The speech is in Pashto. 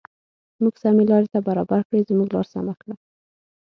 موږ سمې لارې ته برابر کړې زموږ لار سمه کړه.